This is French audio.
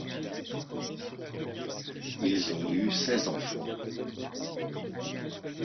Ils ont eu seize enfants.